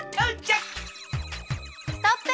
ストップ！